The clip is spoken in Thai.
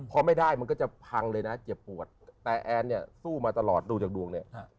พอไม่ได้มันก็จะพังเลยนะเจ็บปวดแต่แอนเนี่ยสู้มาตลอดดูจากดวงเนี่ย